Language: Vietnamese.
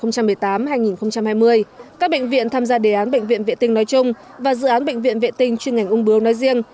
các bệnh viện tham gia đề án bệnh viện vệ tinh nói chung và dự án bệnh viện vệ tinh chuyên ngành ung bướu nói riêng